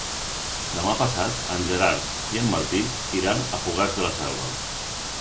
Demà passat en Gerard i en Martí iran a Fogars de la Selva.